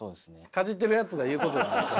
かじってるやつが言うことじゃない。